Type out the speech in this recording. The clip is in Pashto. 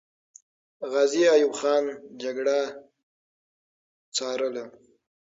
غازي ایوب خان جګړه ځارله.